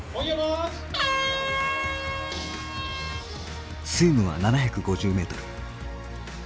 スイムは７５０ｍ。